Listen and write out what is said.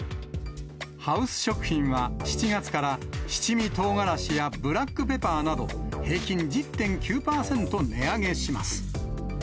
ハウス食品は７月から、七味唐がらしやブラックペパーなど、平均１０．９％値上げします。